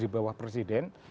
di bawah presiden